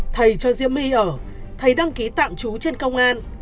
thầy cho diễm my ở thầy đăng ký tạm trú trên công an